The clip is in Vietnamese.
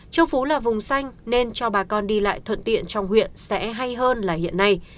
châu phú là vùng xanh nên cho bà con đi lại thuận tiện trong huyện sẽ hay hơn là hiện nay